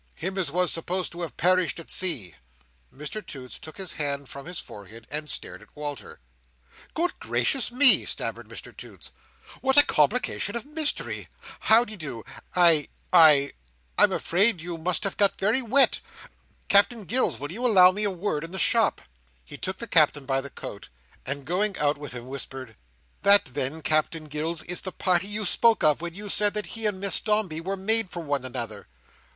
Him as was supposed to have perished at sea." Mr Toots took his hand from his forehead, and stared at Walter. "Good gracious me!" stammered Mr Toots. "What a complication of misery! How de do? I—I—I'm afraid you must have got very wet. Captain Gills, will you allow me a word in the shop?" He took the Captain by the coat, and going out with him whispered: "That then, Captain Gills, is the party you spoke of, when you said that he and Miss Dombey were made for one another?"